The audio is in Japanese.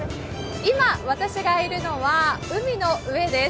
今私がいるのは海の上です。